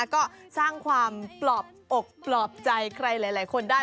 ก็สร้างความปลอบอกปลอบใจใครหลายคนได้